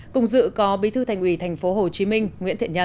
cùng dự có bí thư thành ủy tp hcm nguyễn thiện nhân